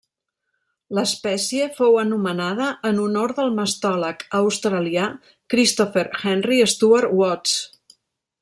L'espècie fou anomenada en honor del mastòleg australià Christopher Henry Stuart Watts.